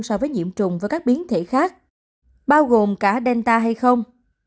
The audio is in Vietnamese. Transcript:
so với nhiễm trùng và các biến thể khác bao gồm cả delta hay không